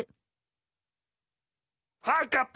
はいカット！